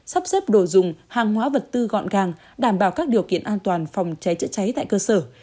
sắp xếp đồ dùng hàng hóa vật tư gọn gàng đảm bảo các điều kiện an toàn phòng cháy chữa cháy tại cơ sở